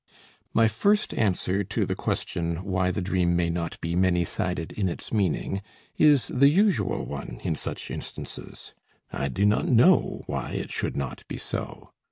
My first answer to the question why the dream may not be many sided in its meaning is the usual one in such instances: I do not know why it should not be so.